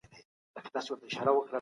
ازاده مطالعه ذهن ته سکون ورکوي.